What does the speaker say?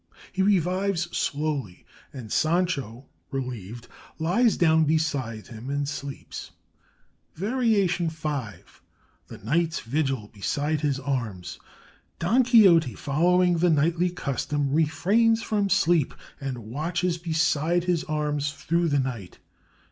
He revives slowly, and Sancho, relieved, lies down beside him and sleeps. VARIATION V THE KNIGHT'S VIGIL BESIDE HIS ARMS Don Quixote, following the knightly custom, refrains from sleep and watches beside his arms through the night.